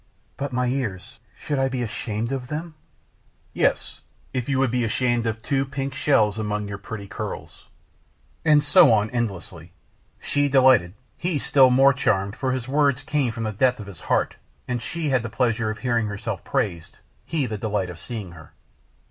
"But my ears, should I be ashamed of them?" "Yes, if you would be ashamed of two little pink shells among your pretty curls." And so on endlessly; she delighted, he still more charmed, for his words came from the depth of his heart and she had the pleasure of hearing herself praised, he the delight of seeing her.